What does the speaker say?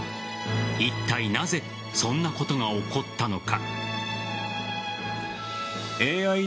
いったいなぜそんなことが起こったのか。